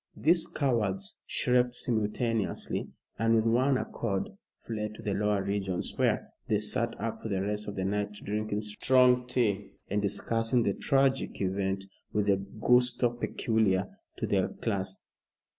These cowards shrieked simultaneously, and with one accord fled to the lower regions, where they sat up for the rest of the night drinking strong tea, and discussing the tragic event with the gusto peculiar to their class.